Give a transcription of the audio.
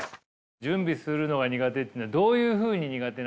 準備するのが苦手っていうのはどういうふうに苦手なんですか？